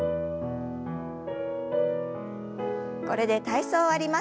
これで体操を終わります。